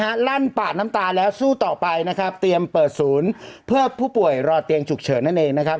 ลั่นปาดน้ำตาแล้วสู้ต่อไปนะครับเตรียมเปิดศูนย์เพื่อผู้ป่วยรอเตียงฉุกเฉินนั่นเองนะครับ